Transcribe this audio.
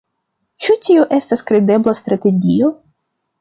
Ĉu tio estas kredebla strategio?